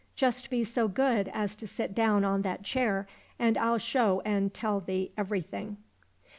Just be so good as to sit down on that chair, and I'll show and tell thee everything."